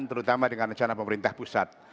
terutama dengan rencana pemerintah pusat